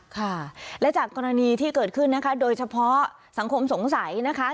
ค่ะและจากกรณีที่เกิดขึ้นนะคะโดยเฉพาะสังคมสงสัยนะคะ